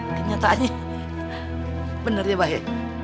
eh kenyataannya bener ya bape